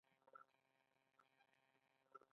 د کابل په کلکان کې د سمنټو مواد شته.